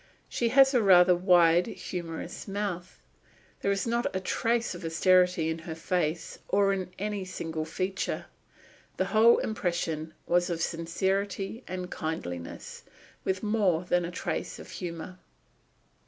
She has a rather wide, humorous mouth. There is not a trace of austerity in her face or in any single feature. The whole impression was of sincerity and kindliness, with more than a trace of humour.